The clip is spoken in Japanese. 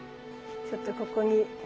ちょっとここに。